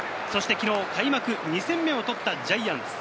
昨日、開幕２戦目をとったジャイアンツ。